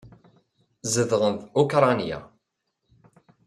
Zedɣen deg Ukṛanya.